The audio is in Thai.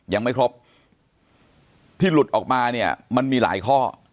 ยังไม่ครบที่หลุดออกมาเนี่ยมันมีหลายข้อ